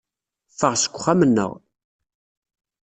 Ffeɣ seg wexxam-nneɣ.